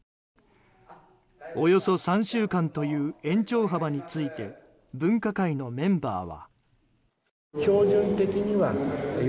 およそ３週間という延長幅について分科会のメンバーは。